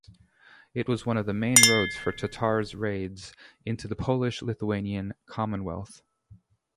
It was one of the main roads for tatars raids into the Polish-Lithuanian Commonwealth.